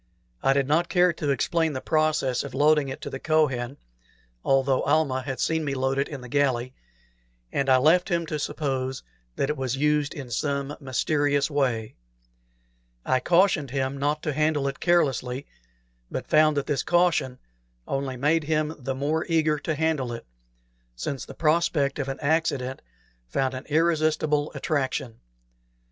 I did not care to explain the process of loading it to the Kohen, though Almah had seen me load it in the galley, and I left him to suppose that it was used in some mysterious way. I cautioned him not to handle it carelessly, but found that this caution only made him the more eager to handle it, since the prospect of an accident found an irresistible attraction.